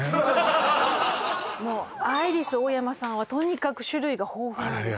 もうアイリスオーヤマさんはとにかく種類が豊富なんですよね